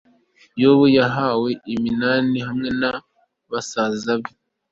yobu yabahaye iminani kimwe na basaza babo